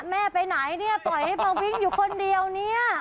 แม่ไปไหนเนี่ยปล่อยให้มาวิ่งอยู่คนเดียวเนี่ย